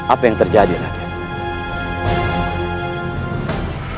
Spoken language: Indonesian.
apa yang terjadi raden